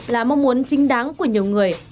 là mong muốn chính đáng của nhiều người